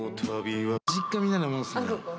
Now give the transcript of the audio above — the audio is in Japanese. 実家みたいなもんすね。